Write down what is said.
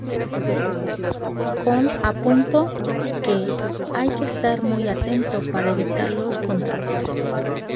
Kohl apuntó que ""hay que estar muy atento"" para evitar los controles.